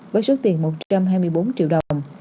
với số tiền một trăm hai mươi bốn triệu đồng